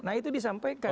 nah itu disampaikan